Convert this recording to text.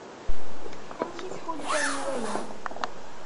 Amek i tḥulfam i waya?